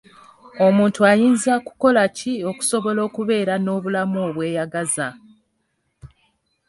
Omuntu ayinza kukola ki okusobola okubeera n'obulamu obweyagaza?